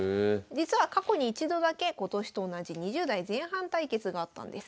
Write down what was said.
実は過去に一度だけ今年と同じ２０代前半対決があったんです。